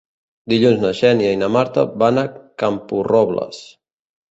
Dilluns na Xènia i na Marta van a Camporrobles.